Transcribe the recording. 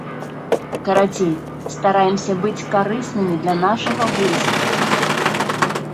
Карацей, стараемся быць карыснымі для нашага войска.